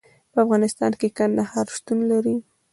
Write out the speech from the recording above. په افغانستان کې کندهار شتون لري.